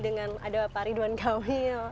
dengan ada pak ridwan kamil